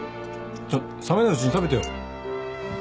ちょっ冷めないうちに食べてよ。